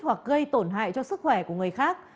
hoặc gây tổn hại cho sức khỏe của người khác